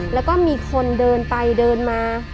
แล้วก็มีคนเดินไปเดินมา